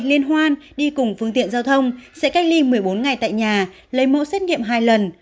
liên hoan đi cùng phương tiện giao thông sẽ cách ly một mươi bốn ngày tại nhà lấy mẫu xét nghiệm hai lần